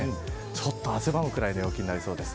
ちょっと汗ばむくらいの陽気になりそうです。